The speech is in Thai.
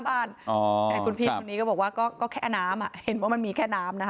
แต่กูนครูทีก็บอกว่าก็ก็แค่น้ำอะเห็นว่ามันมีแค่น้ำนะคะ